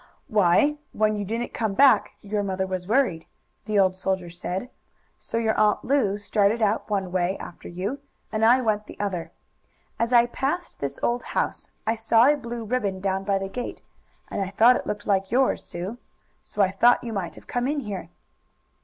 "Why, when you didn't come back your mother was worried," the old soldier said. "So your Aunt Lu started out one way after you, and I went the other. As I passed this old house I saw a blue ribbon down by the gate and I thought it looked like yours, Sue. So I thought you might have come in here."